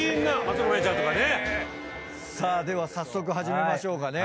さあでは早速始めましょうかね。